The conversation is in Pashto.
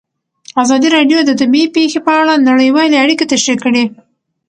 ازادي راډیو د طبیعي پېښې په اړه نړیوالې اړیکې تشریح کړي.